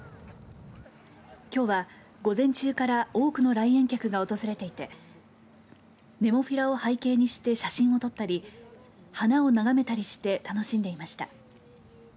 きょうは午前中から多くの来園客が訪れていてネモフィラを背景にして写真を撮ったり花を眺めたりして楽しんでいました。